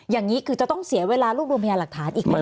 อย่างนี้คือจะต้องเสียเวลารูบรวมินทรรภาษอีกมั้ย